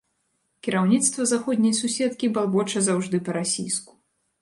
Кіраўніцтва заходняй суседкі балбоча заўжды па-расійску.